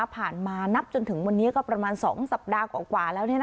มานับจนถึงวันนี้ก็ประมาณ๒สัปดาห์กว่าแล้ว